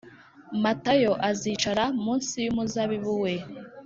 matayo azicara munsi y umuzabibu we